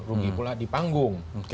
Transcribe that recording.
rugi pula di panggung